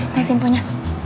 nengsi info nya